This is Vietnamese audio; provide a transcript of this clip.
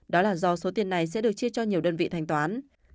đó là do số tiền này sẽ được chia cho nhiều đơn vị thanh toán